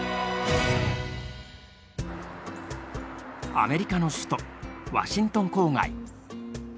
アメリカの首都ワシントン郊外。